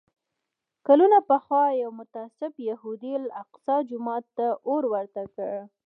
کلونه پخوا یو متعصب یهودي الاقصی جومات ته اور ورته کړ.